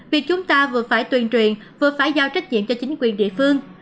vì chúng ta vừa phải tuyên truyền vừa phải giao trách nhiệm cho chính quyền địa phương